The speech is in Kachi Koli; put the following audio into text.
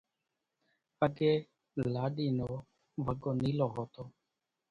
اڳيَ لاڏِي نو وڳو نيلو هوتو۔